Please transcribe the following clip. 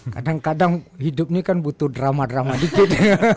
kadang kadang hidup ini kan butuh drama drama dikit